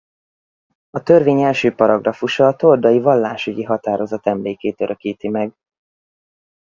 A törvény első paragrafusa a tordai vallásügyi határozat emlékét örökíti meg.